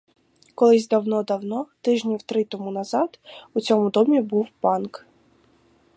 Колись давно давно, тижнів три тому назад, у цьому домі був банк.